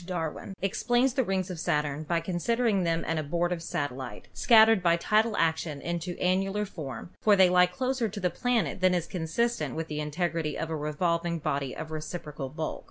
Darwin explains the rings of Sa turn by considering them an abortive satellite, scattered by tidal action into annular form, for they lie closer to the planet than is consistent with the integrity of a revolving body of reciprocal bulk.